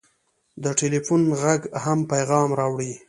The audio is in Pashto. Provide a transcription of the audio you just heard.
د ټېلفون غږ هم پیغام راوړي.